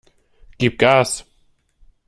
Gib Gas!